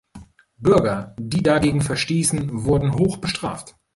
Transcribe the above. Bürger, die dagegen verstießen, wurden hoch bestraft.